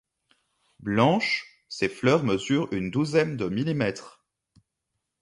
Blanches, ses fleurs mesurent une douzaine de millimètres.